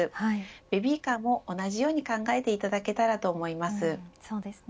ベビーカーも同じように考えていただけたらと思います。